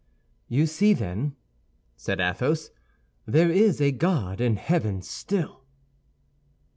"You see, then," said Athos, "there is a god in heaven still!"